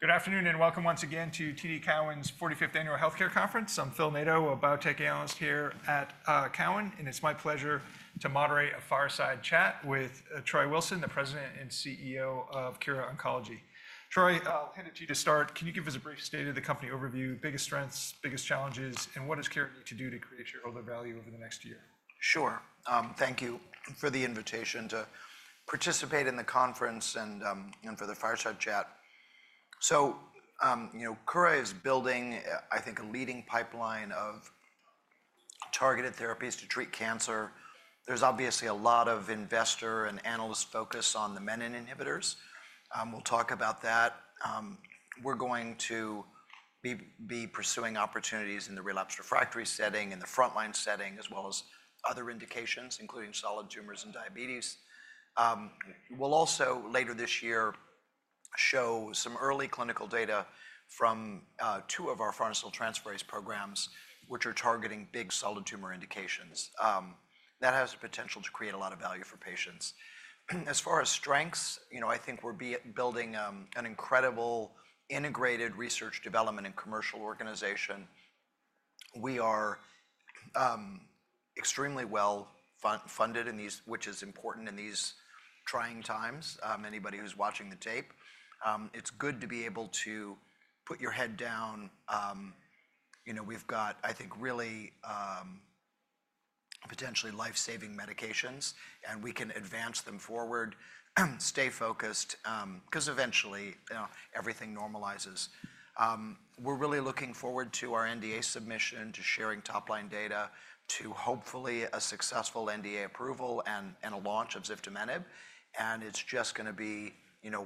Good afternoon and welcome once again to TD Cowen's 45th Annual Healthcare conference. I'm Phil Nadeau, a biotech analyst here at Cowen, and it's my pleasure to moderate a fireside chat with Troy Wilson, the President and CEO of Kura Oncology. Troy, I'll hand it to you to start. Can you give us a brief state of the company overview, biggest strengths, biggest challenges, and what does Kura need to do to create shareholder value over the next year? Sure. Thank you for the invitation to participate in the conference and for the fireside chat. Kura is building, I think, a leading pipeline of targeted therapies to treat cancer. There is obviously a lot of investor and analyst focus on the menin inhibitors. We will talk about that. We are going to be pursuing opportunities in the relapsed/refractory setting, in the frontline setting, as well as other indications, including solid tumors and diabetes. We will also, later this year, show some early clinical data from two of our pharmaceutical transferase programs, which are targeting big solid tumor indications. That has the potential to create a lot of value for patients. As far as strengths, I think we are building an incredible integrated research, development, and commercial organization. We are extremely well funded, which is important in these trying times. Anybody who's watching the tape, it's good to be able to put your head down. We've got, I think, really potentially life-saving medications, and we can advance them forward, stay focused, because eventually everything normalizes. We're really looking forward to our NDA submission, to sharing top-line data, to hopefully a successful NDA approval and a launch of ziftomenib. It's just going to be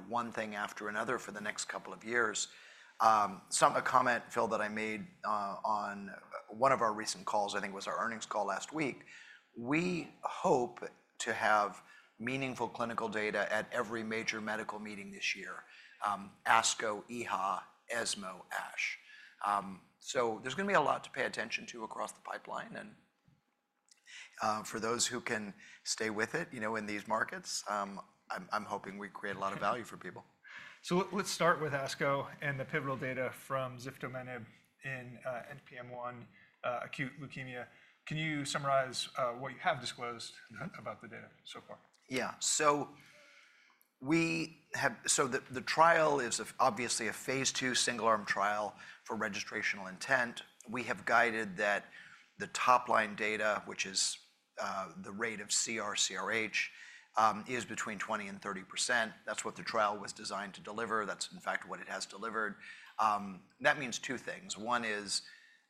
one thing after another for the next couple of years. A comment, Phil, that I made on one of our recent calls, I think it was our earnings call last week, we hope to have meaningful clinical data at every major medical meeting this year: ASCO, EHA, ESMO, ASH. There's going to be a lot to pay attention to across the pipeline. For those who can stay with it in these markets, I'm hoping we create a lot of value for people. Let's start with ASCO and the pivotal data from ziftomenib in NPM1 acute leukemia. Can you summarize what you have disclosed about the data so far? Yeah. The trial is obviously a phase two single-arm trial for registrational intent. We have guided that the top-line data, which is the rate of CR/CRh, is between 20% and 30%. That's what the trial was designed to deliver. That's, in fact, what it has delivered. That means two things. One is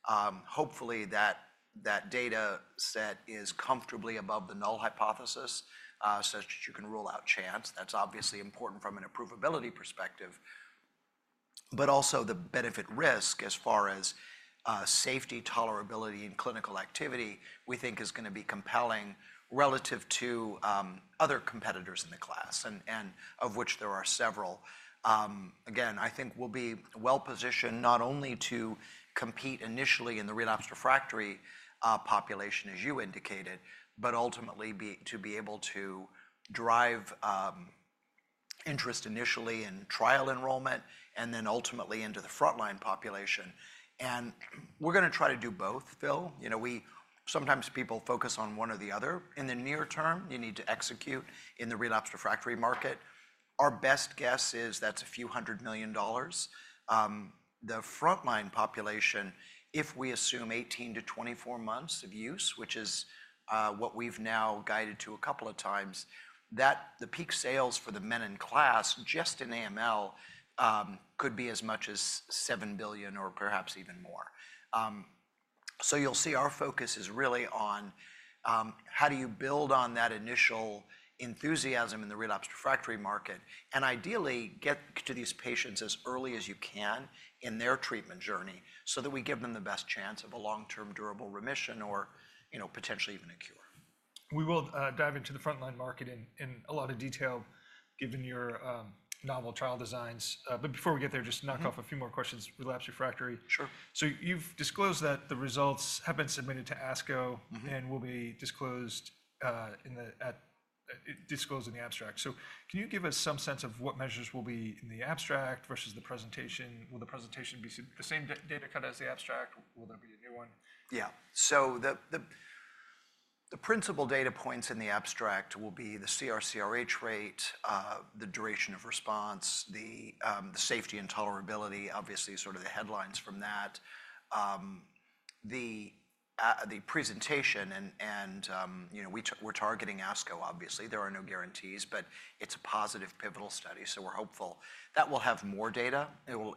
hopefully that that data set is comfortably above the null hypothesis, such that you can rule out chance. That's obviously important from an approvability perspective. Also, the benefit-risk as far as safety, tolerability, and clinical activity, we think is going to be compelling relative to other competitors in the class, of which there are several. Again, I think we'll be well positioned not only to compete initially in the relapsed/refractory population, as you indicated, but ultimately to be able to drive interest initially in trial enrollment and then ultimately into the frontline population. We're going to try to do both, Phil. Sometimes people focus on one or the other. In the near term, you need to execute in the relapsed/refractory market. Our best guess is that's a few hundred million dollars. The frontline population, if we assume 18 months to 24 months of use, which is what we've now guided to a couple of times, the peak sales for the menin class just in AML could be as much as $7 billion or perhaps even more. You'll see our focus is really on how you build on that initial enthusiasm in the relapsed/refractory market and ideally get to these patients as early as you can in their treatment journey so that we give them the best chance of a long-term durable remission or potentially even a cure. We will dive into the frontline market in a lot of detail given your novel trial designs. Before we get there, just knock off a few more questions. Relapsed/refractory. Sure. You've disclosed that the results have been submitted to ASCO and will be disclosed in the abstract. Can you give us some sense of what measures will be in the abstract versus the presentation? Will the presentation be the same data cut as the abstract? Will there be a new one? Yeah. The principal data points in the abstract will be the CR/CRh rate, the duration of response, the safety and tolerability, obviously sort of the headlines from that, the presentation. We're targeting ASCO, obviously. There are no guarantees, but it's a positive pivotal study, so we're hopeful. That will have more data. We'll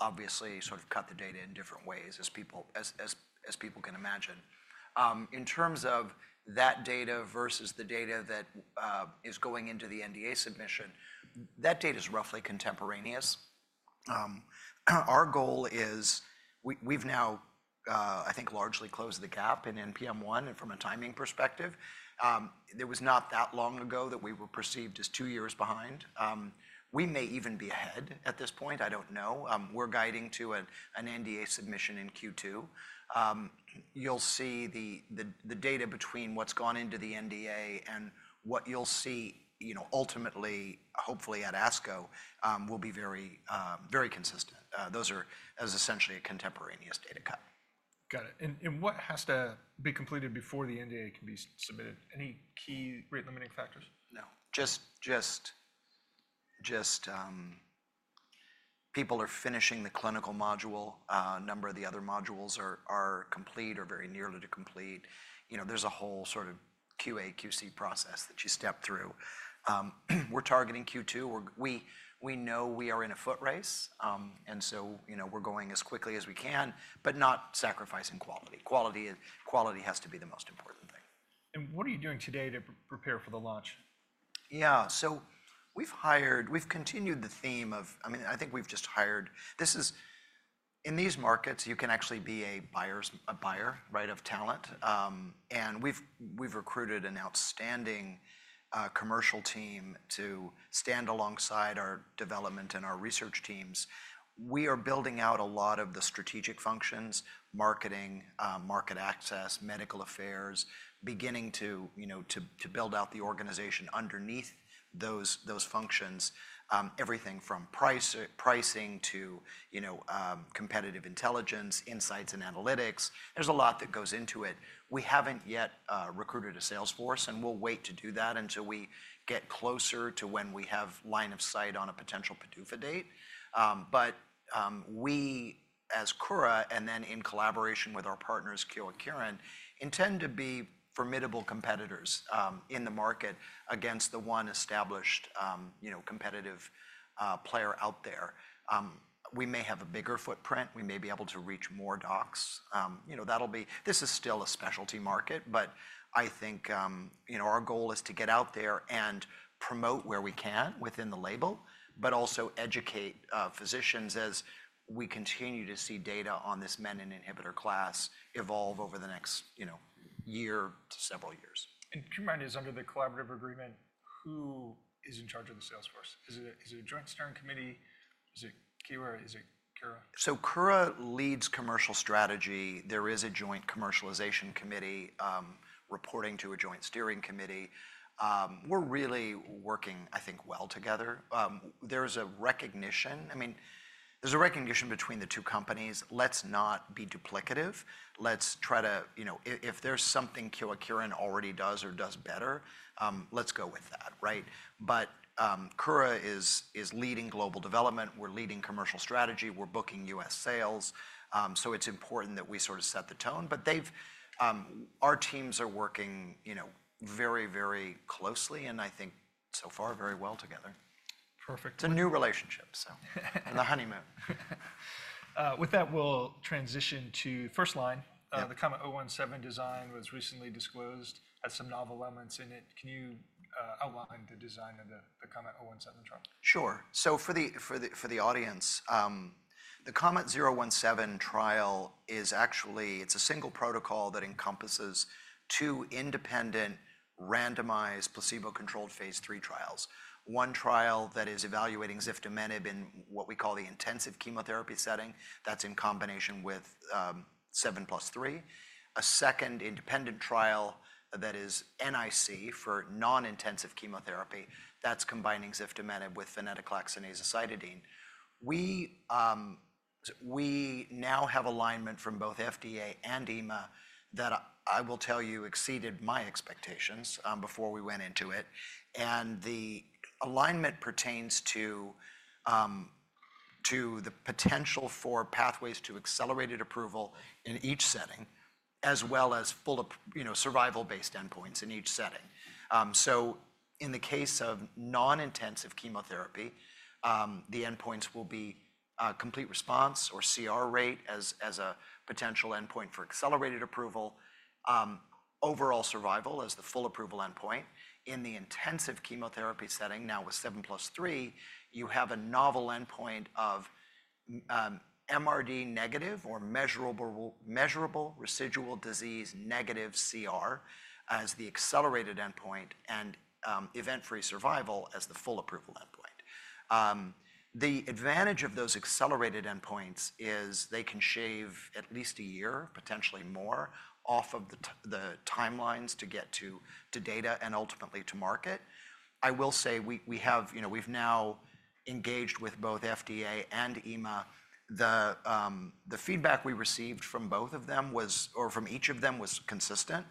obviously sort of cut the data in different ways, as people can imagine. In terms of that data versus the data that is going into the NDA submission, that data is roughly contemporaneous. Our goal is we've now, I think, largely closed the gap in NPM1 and from a timing perspective. There was not that long ago that we were perceived as two years behind. We may even be ahead at this point. I don't know. We're guiding to an NDA submission in Q2. You'll see the data between what's gone into the NDA and what you'll see ultimately, hopefully at ASCO, will be very consistent. Those are essentially a contemporaneous data cut. Got it. What has to be completed before the NDA can be submitted? Any key rate-limiting factors? No. Just people are finishing the clinical module. A number of the other modules are complete or very nearly to complete. There is a whole sort of QA, QC process that you step through. We are targeting Q2. We know we are in a foot race, and we are going as quickly as we can, but not sacrificing quality. Quality has to be the most important thing. What are you doing today to prepare for the launch? Yeah. We've continued the theme of, I mean, I think we've just hired. In these markets, you can actually be a buyer of talent. We've recruited an outstanding commercial team to stand alongside our development and our research teams. We are building out a lot of the strategic functions: marketing, market access, medical affairs, beginning to build out the organization underneath those functions, everything from pricing to competitive intelligence, insights, and analytics. There's a lot that goes into it. We haven't yet recruited a sales force, and we'll wait to do that until we get closer to when we have line of sight on a potential PDUFA date. We, as Kura and then in collaboration with our partners, Kyowa Kirin, intend to be formidable competitors in the market against the one established competitive player out there. We may have a bigger footprint. We may be able to reach more docs. This is still a specialty market, but I think our goal is to get out there and promote where we can within the label, but also educate physicians as we continue to see data on this menin inhibitor class evolve over the next year to several years. Do you mind, is under the collaborative agreement, who is in charge of the sales force? Is it a joint steering committee? Is it Kura? Is it Kura? Kura leads commercial strategy. There is a joint commercialization committee reporting to a joint steering committee. We're really working, I think, well together. There is a recognition. I mean, there's a recognition between the two companies. Let's not be duplicative. Let's try to, if there's something Kyowa Kirin already does or does better, let's go with that. Kura is leading global development. We're leading commercial strategy. We're booking U.S. sales. It is important that we sort of set the tone. Our teams are working very, very closely and I think so far very well together. Perfect. It's a new relationship, so on the honeymoon. With that, we'll transition to first line. The KOMET-017 design was recently disclosed. It has some novel elements in it. Can you outline the design of the KOMET-017 trial? Sure. For the audience, the KOMET-017 trial is actually a single protocol that encompasses two independent randomized placebo-controlled phase three trials. One trial is evaluating ziftomenib in what we call the intensive chemotherapy setting. That is in combination with 7+3. A second independent trial is NIC for non-intensive chemotherapy. That is combining ziftomenib with venetoclax and azacitidine. We now have alignment from both FDA and EMA that I will tell you exceeded my expectations before we went into it. The alignment pertains to the potential for pathways to accelerated approval in each setting, as well as full survival-based endpoints in each setting. In the case of non-intensive chemotherapy, the endpoints will be complete response or CR rate as a potential endpoint for accelerated approval, overall survival as the full approval endpoint. In the intensive chemotherapy setting, now with 7+3, you have a novel endpoint of MRD negative or measurable residual disease negative CR as the accelerated endpoint and event-free survival as the full approval endpoint. The advantage of those accelerated endpoints is they can shave at least a year, potentially more, off of the timelines to get to data and ultimately to market. I will say we've now engaged with both FDA and EMA. The feedback we received from both of them was, or from each of them was consistent.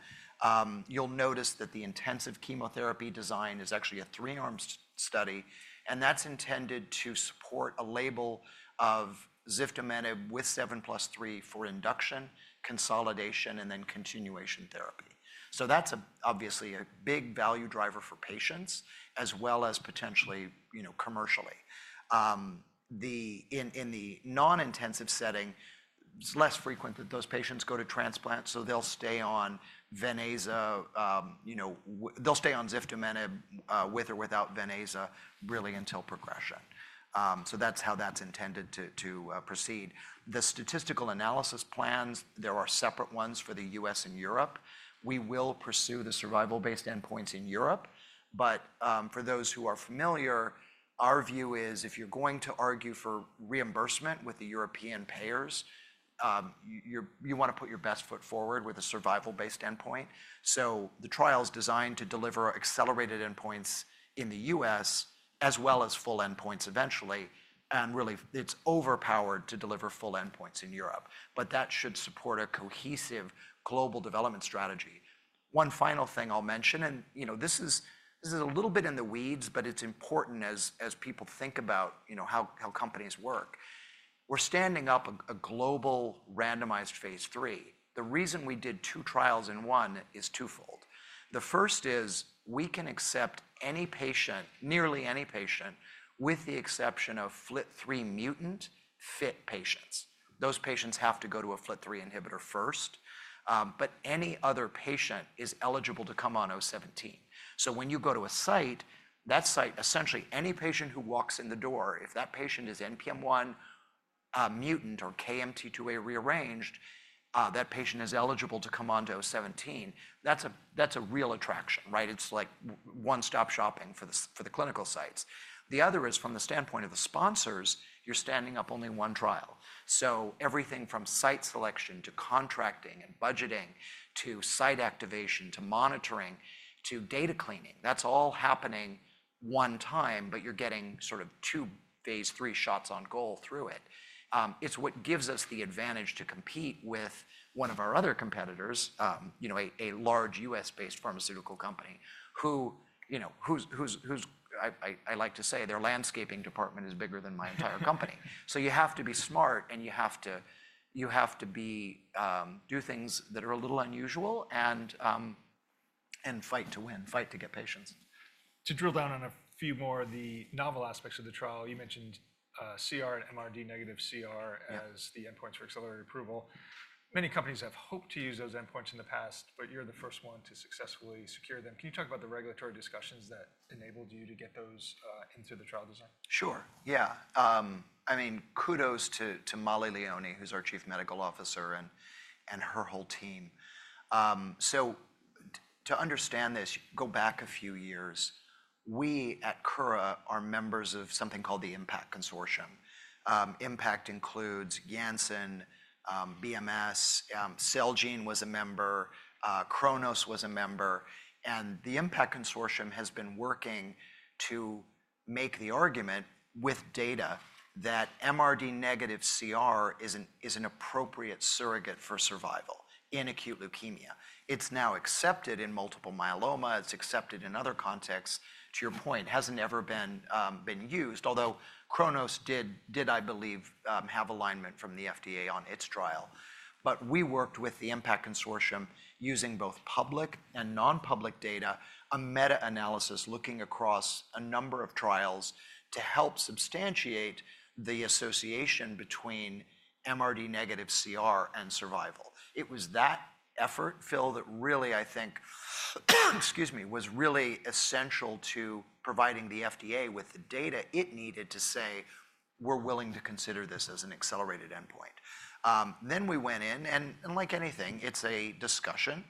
You'll notice that the intensive chemotherapy design is actually a three-arm study, and that's intended to support a label of ziftomenib with 7+3 for induction, consolidation, and then continuation therapy. That is obviously a big value driver for patients, as well as potentially commercially. In the non-intensive setting, it's less frequent that those patients go to transplant, so they'll stay on Ven/Aza. They'll stay on ziftomenib with or without Ven/Aza really until progression. That is how that is intended to proceed. The statistical analysis plans, there are separate ones for the U.S. and Europe. We will pursue the survival-based endpoints in Europe. For those who are familiar, our view is if you're going to argue for reimbursement with the European payers, you want to put your best foot forward with a survival-based endpoint. The trial is designed to deliver accelerated endpoints in the U.S., as well as full endpoints eventually. It is overpowered to deliver full endpoints in Europe, but that should support a cohesive global development strategy. One final thing I'll mention, and this is a little bit in the weeds, but it's important as people think about how companies work. We're standing up a global randomized phase three. The reason we did two trials in one is twofold. The first is we can accept nearly any patient with the exception of FLT3 mutant fit patients. Those patients have to go to a FLT3 inhibitor first, but any other patient is eligible to come on KOMET-017. When you go to a site, that site, essentially any patient who walks in the door, if that patient is NPM1 mutant or KMT2A rearranged, that patient is eligible to come on to KOMET-017. That's a real attraction. It's like one-stop shopping for the clinical sites. The other is from the standpoint of the sponsors, you're standing up only one trial. Everything from site selection to contracting and budgeting to site activation to monitoring to data cleaning, that's all happening one time, but you're getting sort of two phase three shots on goal through it. It's what gives us the advantage to compete with one of our other competitors, a large U.S.-based pharmaceutical company who, I like to say, their landscaping department is bigger than my entire company. You have to be smart and you have to do things that are a little unusual and fight to win, fight to get patients. To drill down on a few more of the novel aspects of the trial, you mentioned CR and MRD negative CR as the endpoints for accelerated approval. Many companies have hoped to use those endpoints in the past, but you're the first one to successfully secure them. Can you talk about the regulatory discussions that enabled you to get those into the trial design? Sure. Yeah. I mean, kudos to Mollie Leoni, who's our Chief Medical Officer and her whole team. To understand this, go back a few years. We at Kura are members of something called the Impact Consortium. Impact includes Janssen, BMS, Celgene was a member, Kronos was a member. The Impact Consortium has been working to make the argument with data that MRD negative CR is an appropriate surrogate for survival in acute leukemia. It's now accepted in multiple myeloma. It's accepted in other contexts. To your point, it hasn't ever been used, although Kronos did, I believe, have alignment from the FDA on its trial. We worked with the Impact Consortium using both public and nonpublic data, a meta-analysis looking across a number of trials to help substantiate the association between MRD negative CR and survival. It was that effort, Phil, that really, I think, excuse me, was really essential to providing the FDA with the data it needed to say, "We're willing to consider this as an accelerated endpoint." We went in, and like anything, it's a discussion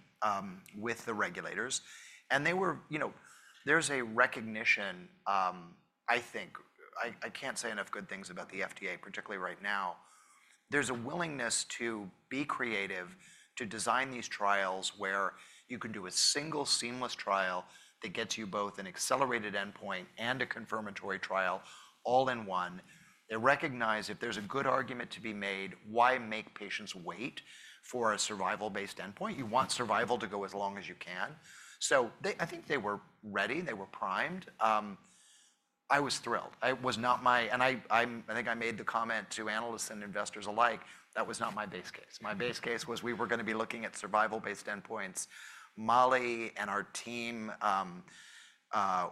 with the regulators. There's a recognition, I think, I can't say enough good things about the FDA, particularly right now. There's a willingness to be creative, to design these trials where you can do a single seamless trial that gets you both an accelerated endpoint and a confirmatory trial all in one. They recognize if there's a good argument to be made, why make patients wait for a survival-based endpoint? You want survival to go as long as you can. I think they were ready. They were primed. I was thrilled. I think I made the comment to analysts and investors alike, that was not my base case. My base case was we were going to be looking at survival-based endpoints. Molly and our team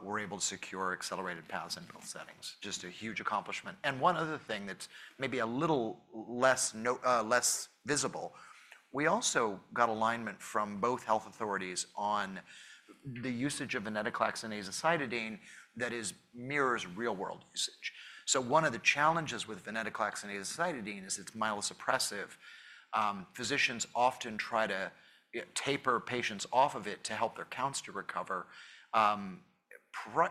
were able to secure accelerated paths in both settings. Just a huge accomplishment. One other thing that's maybe a little less visible, we also got alignment from both health authorities on the usage of venetoclax and azacitidine that mirrors real-world usage. One of the challenges with venetoclax and azacitidine is it's myelosuppressive. Physicians often try to taper patients off of it to help their counts to recover.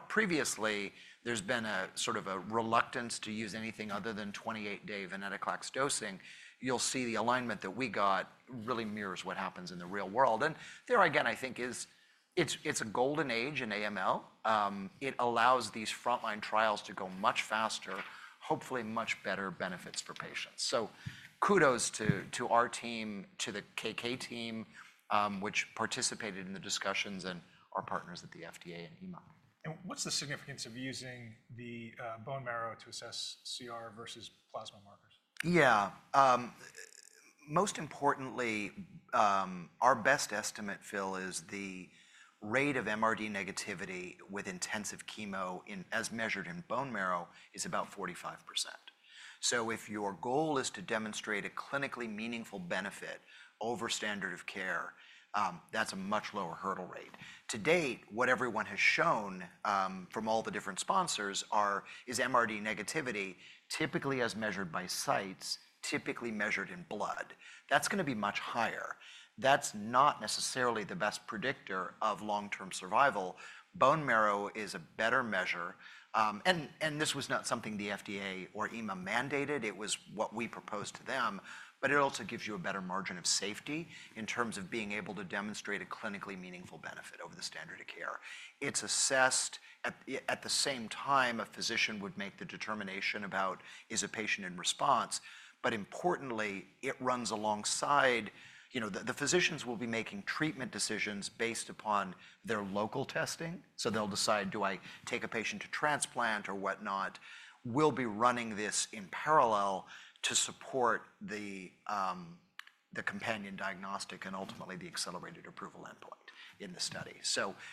Previously, there's been a sort of a reluctance to use anything other than 28-day venetoclax dosing. You'll see the alignment that we got really mirrors what happens in the real world. There again, I think it's a golden age in AML. It allows these frontline trials to go much faster, hopefully much better benefits for patients. Kudos to our team, to the Kyowa Kirin team, which participated in the discussions, and our partners at the FDA and EMA. What's the significance of using the bone marrow to assess CR versus plasma markers? Yeah. Most importantly, our best estimate, Phil, is the rate of MRD negativity with intensive chemo as measured in bone marrow is about 45%. If your goal is to demonstrate a clinically meaningful benefit over standard of care, that's a much lower hurdle rate. To date, what everyone has shown from all the different sponsors is MRD negativity typically as measured by sites, typically measured in blood. That's going to be much higher. That's not necessarily the best predictor of long-term survival. Bone marrow is a better measure. This was not something the FDA or EMA mandated. It was what we proposed to them. It also gives you a better margin of safety in terms of being able to demonstrate a clinically meaningful benefit over the standard of care. It's assessed at the same time a physician would make the determination about is a patient in response. Importantly, it runs alongside. The physicians will be making treatment decisions based upon their local testing. They will decide, do I take a patient to transplant or whatnot? We will be running this in parallel to support the companion diagnostic and ultimately the accelerated approval endpoint in the study.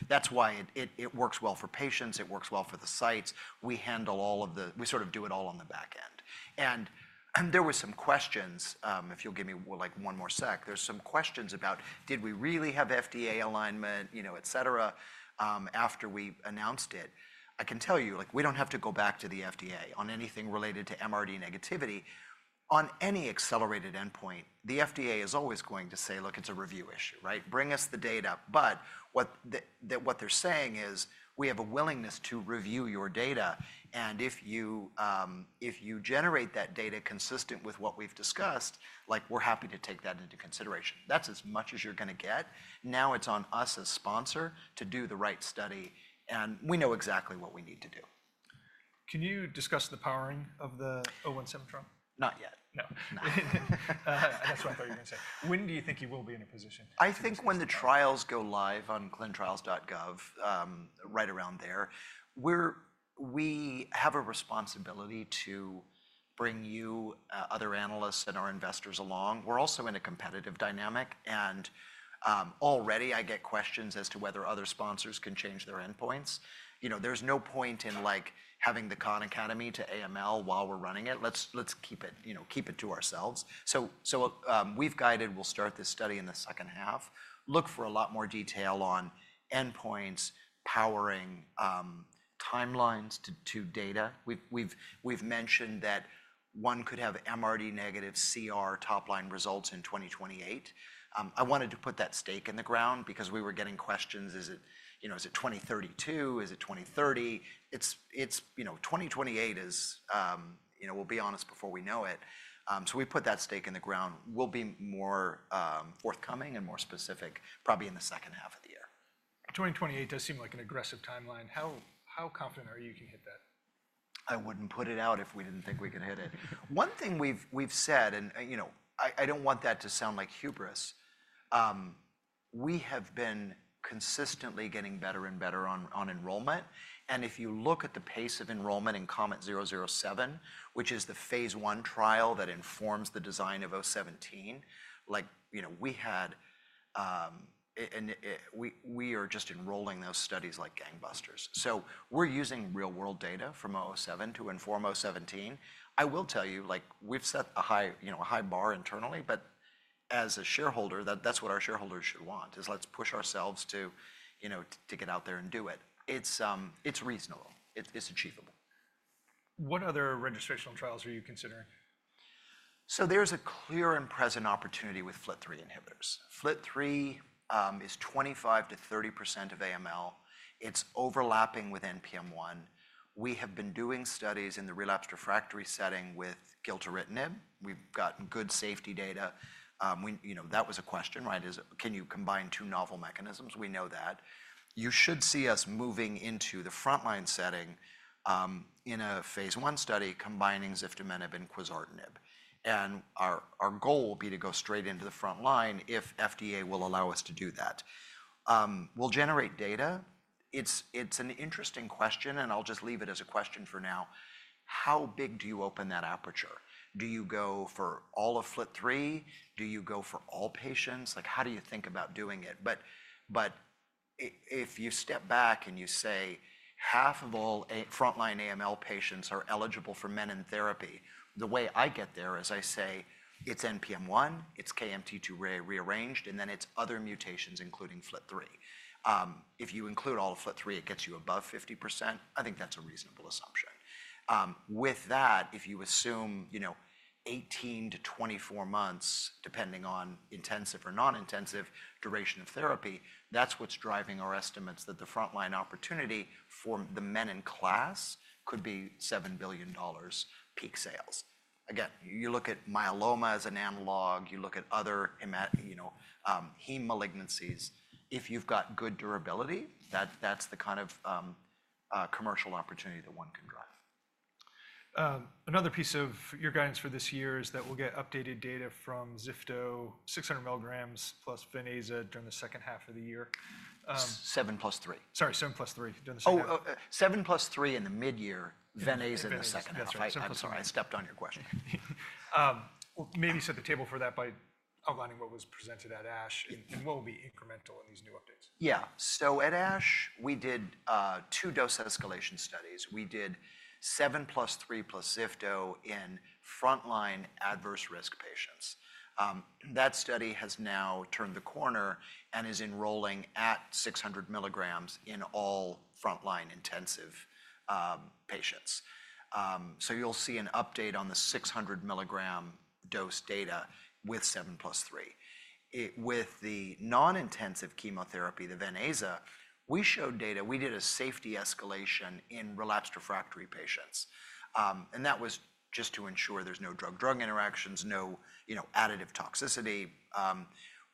That is why it works well for patients. It works well for the sites. We handle all of the, we sort of do it all on the back end. There were some questions, if you will give me like one more sec, there are some questions about, did we really have FDA alignment, et cetera, after we announced it? I can tell you, we do not have to go back to the FDA on anything related to MRD negativity. On any accelerated endpoint, the FDA is always going to say, look, it is a review issue. Bring us the data. What they're saying is we have a willingness to review your data. And if you generate that data consistent with what we've discussed, we're happy to take that into consideration. That's as much as you're going to get. Now it's on us as sponsor to do the right study. And we know exactly what we need to do. Can you discuss the powering of the KOMET-017 trial? Not yet. No. That's what I thought you were going to say. When do you think you will be in a position? I think when the trials go live on clintrials.gov, right around there, we have a responsibility to bring you, other analysts and our investors along. We're also in a competitive dynamic. Already I get questions as to whether other sponsors can change their endpoints. There's no point in having the Khan Academy to AML while we're running it. Let's keep it to ourselves. We've guided, we'll start this study in the second half. Look for a lot more detail on endpoints, powering, timelines to data. We've mentioned that one could have MRD negative CR top-line results in 2028. I wanted to put that stake in the ground because we were getting questions, is it 2032? Is it 2030? 2028 is, we'll be honest, before we know it. We put that stake in the ground. We'll be more forthcoming and more specific probably in the second half of the year. 2028 does seem like an aggressive timeline. How confident are you you can hit that? I wouldn't put it out if we didn't think we could hit it. One thing we've said, and I don't want that to sound like hubris, we have been consistently getting better and better on enrollment. If you look at the pace of enrollment in KOMET-007, which is the phase one trial that informs the design of KOMET-017, we are just enrolling those studies like gangbusters. We are using real-world data from KOMET-007 to inform KOMET-017. I will tell you, we've set a high bar internally, but as a shareholder, that's what our shareholders should want, is let's push ourselves to get out there and do it. It's reasonable. It's achievable. What other registrational trials are you considering? There is a clear and present opportunity with FLT3 inhibitors. FLT3 is 25% to 30% of AML. It is overlapping with NPM1. We have been doing studies in the relapsed/refractory setting with gilteritinib. We have gotten good safety data. That was a question, right? Can you combine two novel mechanisms? We know that. You should see us moving into the frontline setting in a phase one study combining ziftomenib and quizartinib. Our goal will be to go straight into the frontline if FDA will allow us to do that. We will generate data. It is an interesting question, and I will just leave it as a question for now. How big do you open that aperture? Do you go for all of FLT3? Do you go for all patients? How do you think about doing it? If you step back and you say half of all frontline AML patients are eligible for menin therapy, the way I get there is I say it's NPM1, it's KMT2A-rearranged, and then it's other mutations including FLT3. If you include all of FLT3, it gets you above 50%. I think that's a reasonable assumption. With that, if you assume 18-24 months, depending on intensive or non-intensive duration of therapy, that's what's driving our estimates that the frontline opportunity for the menin class could be $7 billion peak sales. Again, you look at myeloma as an analog. You look at other heme malignancies. If you've got good durability, that's the kind of commercial opportunity that one can drive. Another piece of your guidance for this year is that we'll get updated data from ziftomenib, 600 mg plus venetoclax and azacitidine during the second half of the year. 7+3. Sorry, 7+3 during the second half. Oh, 7+3 in the mid-year, Ven/Aza in the second half. I'm sorry, I stepped on your question. Maybe set the table for that by outlining what was presented at ASH and what will be incremental in these new updates. Yeah. At ASH, we did two dose escalation studies. We did 7+3 plus ziftomenib in frontline adverse risk patients. That study has now turned the corner and is enrolling at 600 mg in all frontline intensive patients. You'll see an update on the 600 mg dose data with 7+3. With the non-intensive chemotherapy, the Ven/Aza, we showed data, we did a safety escalation in relapsed/refractory patients. That was just to ensure there's no drug-drug interactions, no additive toxicity.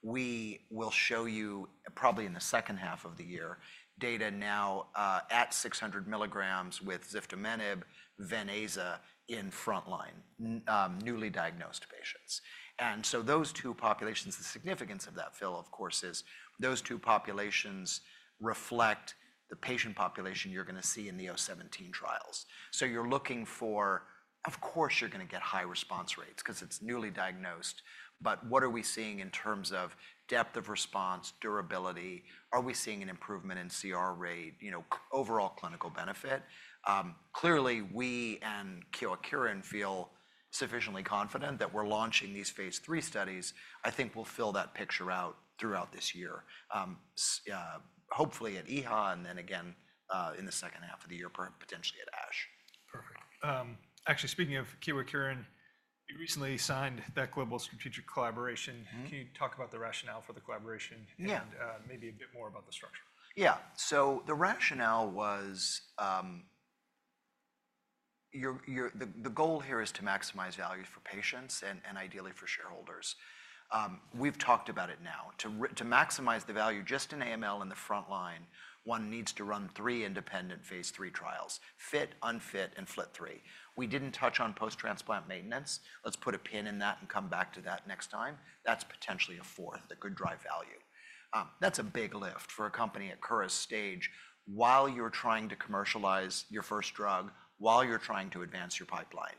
We will show you probably in the second half of the year data now at 600 mg with ziftomenib, Ven/Aza in frontline newly diagnosed patients. Those two populations, the significance of that, Phil, of course, is those two populations reflect the patient population you're going to see in the KOMET-017 trials. You're looking for, of course, you're going to get high response rates because it's newly diagnosed. What are we seeing in terms of depth of response, durability? Are we seeing an improvement in CR rate, overall clinical benefit? Clearly, we and Kyowa Kirin feel sufficiently confident that we're launching these phase three studies. I think we'll fill that picture out throughout this year, hopefully at EHA and then again in the second half of the year, potentially at ASH. Perfect. Actually, speaking of Kyowa Kirin, you recently signed that global strategic collaboration. Can you talk about the rationale for the collaboration and maybe a bit more about the structure? Yeah. The rationale was the goal here is to maximize value for patients and ideally for shareholders. We've talked about it now. To maximize the value just in AML in the frontline, one needs to run three independent phase three trials, FIT, UNFIT, and FLT3. We didn't touch on post-transplant maintenance. Let's put a pin in that and come back to that next time. That's potentially a fourth, a good drive value. That's a big lift for a company at current stage while you're trying to commercialize your first drug, while you're trying to advance your pipeline.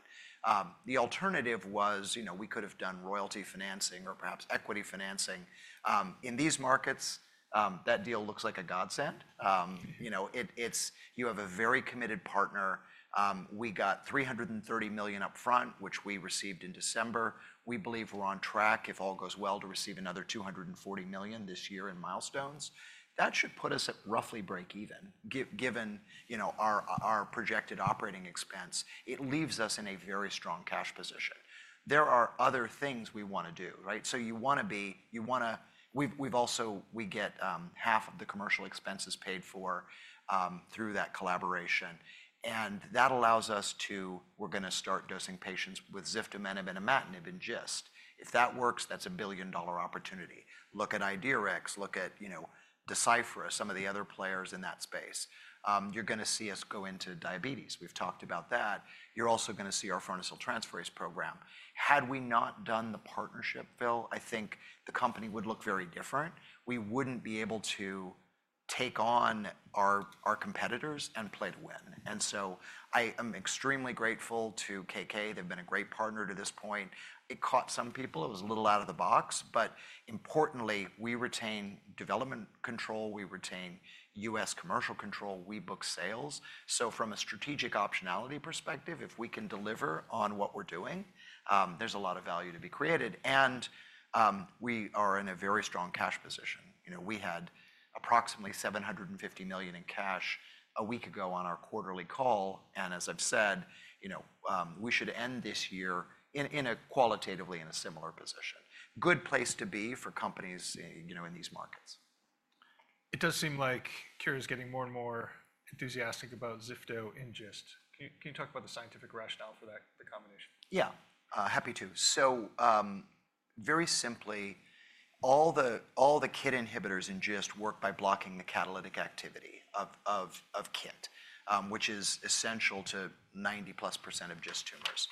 The alternative was we could have done royalty financing or perhaps equity financing. In these markets, that deal looks like a godsend. You have a very committed partner. We got $330 million upfront, which we received in December. We believe we're on track, if all goes well, to receive another $240 million this year in milestones. That should put us at roughly break even given our projected operating expense. It leaves us in a very strong cash position. There are other things we want to do, right? You want to be, we've also, we get half of the commercial expenses paid for through that collaboration. That allows us to, we're going to start dosing patients with ziftomenib and imatinib in GIST. If that works, that's a billion-dollar opportunity. Look at Idorsia, look at Deciphera, some of the other players in that space. You're going to see us go into diabetes. We've talked about that. You're also going to see our pharmaceutical transfer rates program. Had we not done the partnership, Phil, I think the company would look very different. We would not be able to take on our competitors and play to win. I am extremely grateful to Kyowa Kirin. They have been a great partner to this point. It caught some people. It was a little out of the box. Importantly, we retain development control. We retain U.S. commercial control. We book sales. From a strategic optionality perspective, if we can deliver on what we are doing, there is a lot of value to be created. We are in a very strong cash position. We had approximately $750 million in cash a week ago on our quarterly call. As I have said, we should end this year qualitatively in a similar position. Good place to be for companies in these markets. It does seem like Kura is getting more and more enthusiastic about ziftomenib and GIST. Can you talk about the scientific rationale for that combination? Yeah, happy to. Very simply, all the KIT inhibitors in GIST work by blocking the catalytic activity of KIT, which is essential to 90% plus of GIST tumors.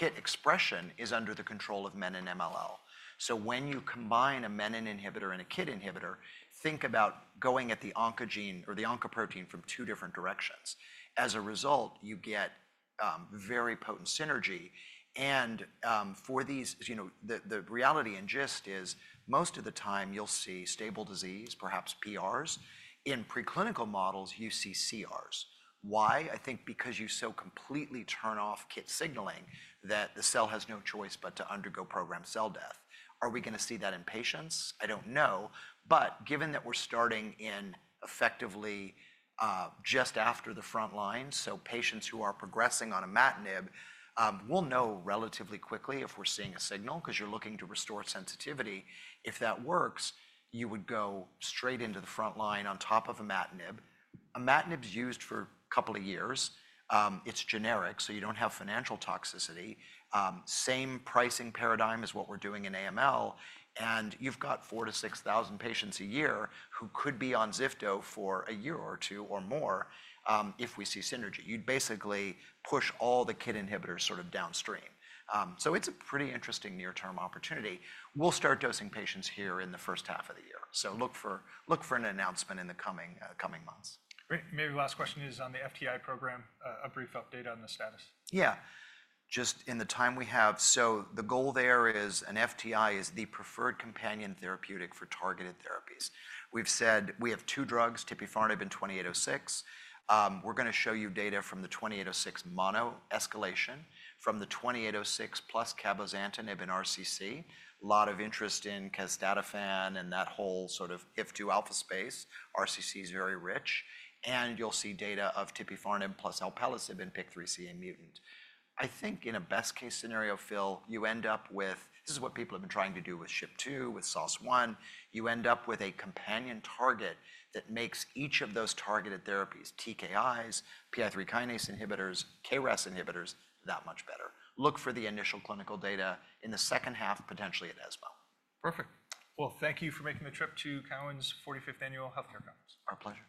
KIT expression is under the control of menin MLL. When you combine a menin inhibitor and a KIT inhibitor, think about going at the oncogene or the oncoprotein from two different directions. As a result, you get very potent synergy. The reality in GIST is most of the time you'll see stable disease, perhaps PRs. In preclinical models, you see CRs. Why? I think because you so completely turn off KIT signaling that the cell has no choice but to undergo programmed cell death. Are we going to see that in patients? I don't know. Given that we're starting in effectively just after the frontline, so patients who are progressing on imatinib, we'll know relatively quickly if we're seeing a signal because you're looking to restore sensitivity. If that works, you would go straight into the frontline on top of imatinib. Imatinib is used for a couple of years. It's generic, so you don't have financial toxicity. Same pricing paradigm as what we're doing in AML. You've got 4,000-6,000 patients a year who could be on ziftomenib for a year or two or more if we see synergy. You'd basically push all the KIT inhibitors sort of downstream. It's a pretty interesting near-term opportunity. We'll start dosing patients here in the first half of the year. Look for an announcement in the coming months. Great. Maybe last question is on the FTI program, a brief update on the status. Yeah. Just in the time we have, the goal there is an FTI is the preferred companion therapeutic for targeted therapies. We've said we have two drugs, tepotefarnib and 2806. We're going to show you data from the 2806 mono escalation, from the 2806 plus cabozantinib in RCC. A lot of interest in castatafan and that whole sort of IFTU alpha space. RCC is very rich. You'll see data of tepotefarnib plus alpelisib in PIK3CA mutant. I think in a best-case scenario, Phil, you end up with, this is what people have been trying to do with SHP2, with SOS1. You end up with a companion target that makes each of those targeted therapies, TKIs, PI3 kinase inhibitors, KRAS inhibitors, that much better. Look for the initial clinical data in the second half, potentially at ESMO. Perfect. Thank you for making the trip to Cowen's 45th Annual Healthcare Conference. Our pleasure.